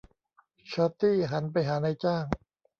ชอร์ตี้หันไปหานายจ้าง